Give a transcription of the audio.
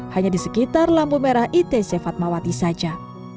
hanya di sekitar lampu merah itc fatmawati saja